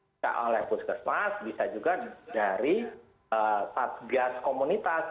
bisa oleh puskesmas bisa juga dari satgas komunitas